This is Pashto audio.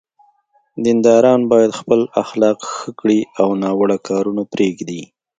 دینداران باید خپل اخلاق ښه کړي او ناوړه کارونه پرېږدي.